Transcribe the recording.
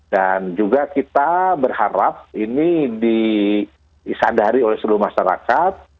dan juga kita berharap ini disadari oleh seluruh masyarakat